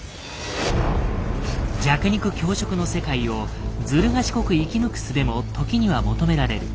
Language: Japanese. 弱肉強食の世界をずる賢く生き抜く術も時には求められる。